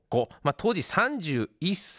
当時３１歳。